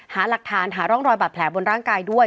หาหลักฐานหาร่องรอยบาดแผลบนร่างกายด้วย